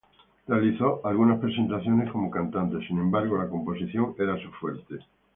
Realizó algunas presentaciones como cantante, sin embargo la composición era su fuerte.